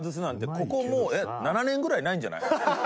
ここ７年ぐらいないんじゃない？